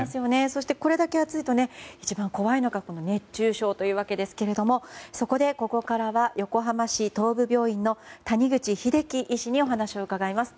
そして、これだけ暑いと一番怖いのが熱中症というわけですがそこでここからは横浜市東部病院の谷口英喜医師にお話を伺います。